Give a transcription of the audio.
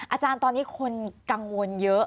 อาจารย์ตอนนี้คนกังวลเยอะ